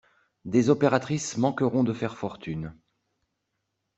Des opératrices manqueront de faire fortune.